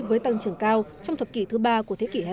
với tăng trưởng cao trong thập kỷ thứ ba của thế kỷ hai mươi